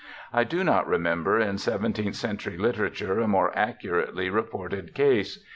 I do not remember in seventeenth century literature a more accurately reported case.